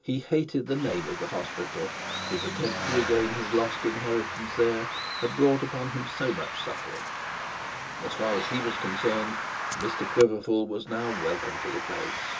He hated the name of the hospital; his attempt to regain his lost inheritance there had brought upon him so much suffering. As far as he was concerned, Mr Quiverful was now welcome to the place.